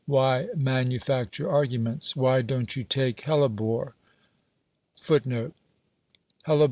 Why manufacture arguments? Why don't you take hellebore' for your malady?